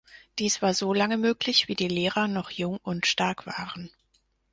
Dies war so lange möglich, wie die Lehrer noch jung und stark waren.